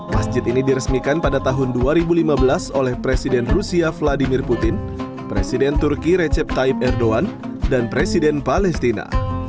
masjid ini diresmikan pada tahun dua ribu lima belas oleh presiden rusia vladimir putin presiden turki recep tayb erdogan dan presiden palestina